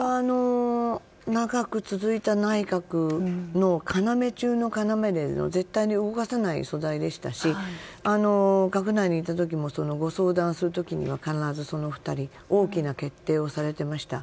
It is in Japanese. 長く続いた内閣の要中の要で絶対に動かせない素材でしたし閣内にいた時もご相談する時には必ずその２人大きな決定をされていました。